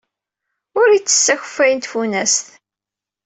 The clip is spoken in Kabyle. La yettess akeffay n tfunast.